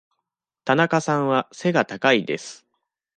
田中さんは背が高いです。